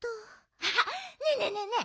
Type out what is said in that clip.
あっねえねえねえねえ！